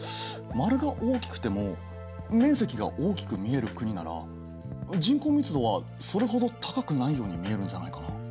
丸が大きくても面積が大きく見える国なら人口密度はそれほど高くないように見えるんじゃないかな？